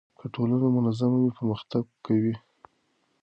که ټولنه منظمه وي پرمختګ کوي.